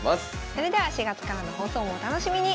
それでは４月からの放送もお楽しみに。